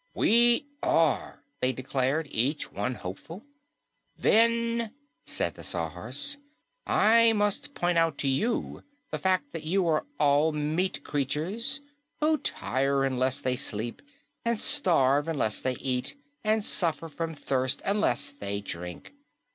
"We are!" they declared, each one hopeful. "Then," said the Sawhorse, "I must point out to you the fact that you are all meat creatures, who tire unless they sleep and starve unless they eat and suffer from thirst unless they drink.